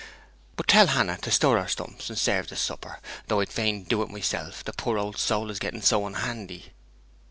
But tell Hannah to stir her stumps and serve supper though I'd fain do it myself, the poor old soul is getting so unhandy!'